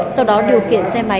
sau đó điều khiển xe máy